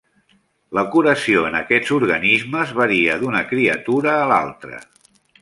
La curació en aquests organismes varia d'una criatura a l'altra.